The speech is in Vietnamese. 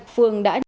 phương đã đảm bảo